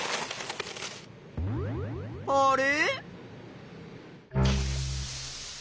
あれ？